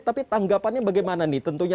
tapi tanggapannya bagaimana nih tentunya